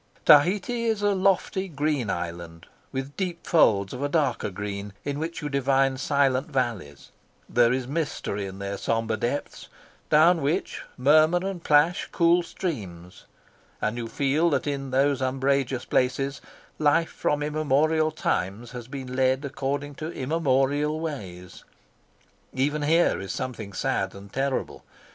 Tahiti is a lofty green island, with deep folds of a darker green, in which you divine silent valleys; there is mystery in their sombre depths, down which murmur and plash cool streams, and you feel that in those umbrageous places life from immemorial times has been led according to immemorial ways. Even here is something sad and terrible.